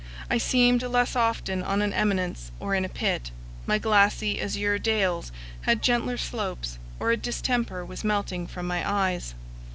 I seemed less often on an eminence or in a pit; my glassy azure dales had gentler slopes, or a distemper was melting from my eyes.